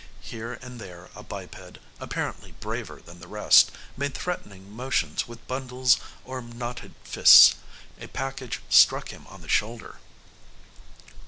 Here and there a biped, apparently braver than the rest, made threatening motions with bundles or knotted fists. A package struck him on the shoulder.